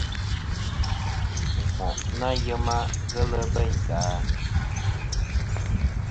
Wul ɨ moʼ ɨ nà yema, ghelɨ bêynsì a.